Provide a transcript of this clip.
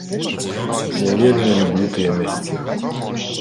Я вельмі люблю тыя мясціны.